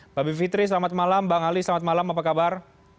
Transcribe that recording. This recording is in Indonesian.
mbak bivitri selamat malam bang ali selamat malam apa kabar